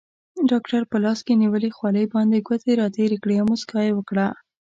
ډاکټر په لاس کې نیولې خولۍ باندې ګوتې راتېرې کړې او موسکا یې وکړه.